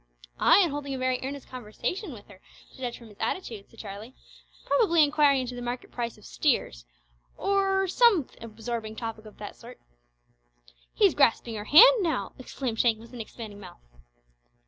"Ay, and holding a very earnest conversation with her, to judge from his attitude," said Charlie. "Probably inquiring into the market price of steers or some absorbing topic of that sort." "He's grasping her hand now!" exclaimed Shank, with an expanding mouth.